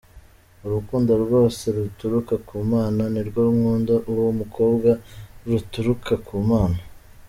Urukundo rwose ruturuka ku Mana, n’urwo nkunda uwo mukobwa ruturuka ku Mana.